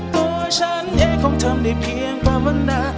ตัวฉันเองคงทำได้เพียงภาวนา